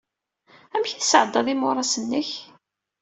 Amek ay tesɛddaḍ imuras-nnek?